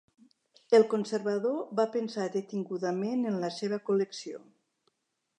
El conservador va pensar detingudament en la seva col·lecció.